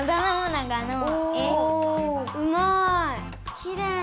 うまい。